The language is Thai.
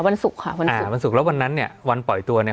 วันศุกร์ค่ะวันนี้อ่าวันศุกร์แล้ววันนั้นเนี่ยวันปล่อยตัวเนี่ย